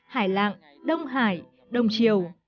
hải lạng đông hải đồng triều